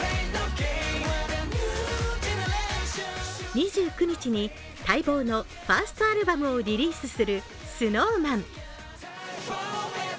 ２９日に待望のファーストアルバムをリリースするＳｎｏｗＭａｎ。